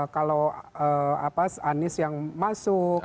kalau anies yang masuk